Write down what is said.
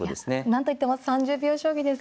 なんといっても３０秒将棋ですからね。